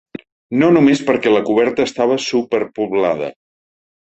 No només perquè la coberta estava superpoblada.